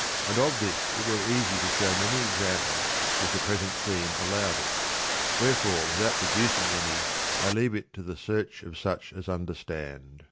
And of this it were easy to show many examples if the present theme allowed it, wherefore without producing any I leave it to the search of such as understand.